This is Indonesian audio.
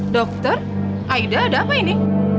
dokter aida ada apa ini